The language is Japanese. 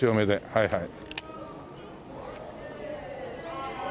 はいはい。